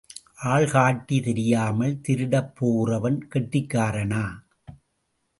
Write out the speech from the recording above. ஆள் காட்டி தெரியாமல் திருடப் போகிறவன் கெட்டிக்காரனா?